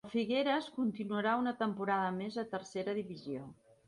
El Figueres continuaria una temporada més a Tercera Divisió.